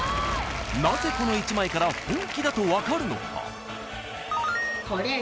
［なぜこの１枚から本気だと分かるのか？］